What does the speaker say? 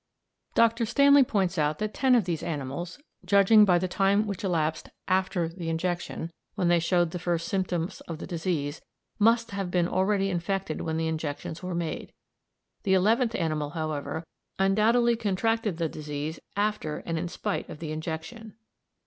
Dr. Stanley points out that ten of these animals, judging by the time which elapsed after the injection, when they showed the first symptoms of the disease, must have been already infected when the injections were made; the eleventh animal, however, undoubtedly contracted the disease after and in spite of the injection.